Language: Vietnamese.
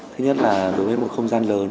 thứ nhất là đối với một không gian lớn